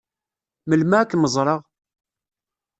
Melmi ad kem-ẓṛeɣ?